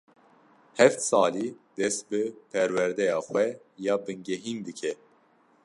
Heft salî dest bi perwedeya xwe ya bingehîn dike.